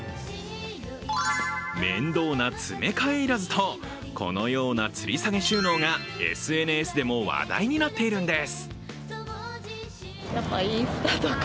面倒な詰め替えいらずとこのようなつり下げ収納がＳＮＳでも話題になっているんです。